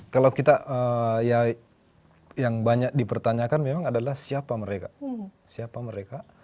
kalau kita ya yang banyak dipertanyakan memang adalah siapa mereka siapa mereka